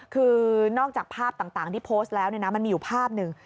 คือนอกจากภาพต่างที่โพสต์แล้วมันมีอยู่ภาพหนึ่ง